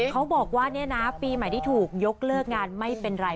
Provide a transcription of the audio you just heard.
เขาบอกว่าเนี่ยนะปีใหม่ที่ถูกยกเลิกงานไม่เป็นไร